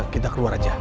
kita keluar aja